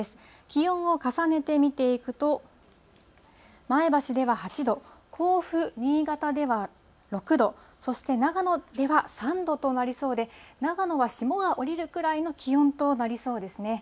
気温を重ねて見ていくと、前橋では８度、甲府、新潟では６度、そして長野では３度となりそうで、長野は霜が降りるくらいの気温となりそうですね。